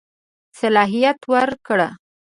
صلاحیت ورکړ.